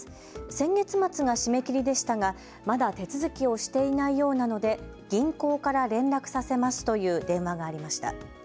先月末が締め切りでしたが、まだ手続きをしていないようなので銀行から連絡させますという電話がありました。